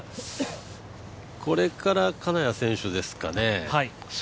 これから金谷選手ですかね。